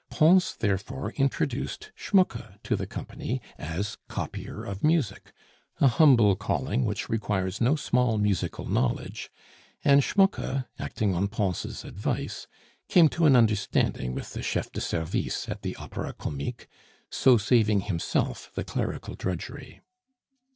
Pons therefore introduced Schmucke to the company as copier of music, a humble calling which requires no small musical knowledge; and Schmucke, acting on Pons' advice, came to an understanding with the chef de service at the Opera Comique, so saving himself the clerical drudgery.